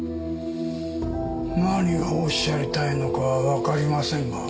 何がおっしゃりたいのかはわかりませんが。